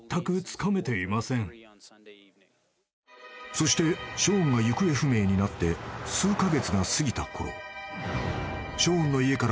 ［そしてショーンが行方不明になって数カ月が過ぎたころ］